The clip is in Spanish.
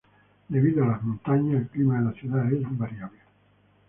Debido a las montañas el clima de la ciudad es variable.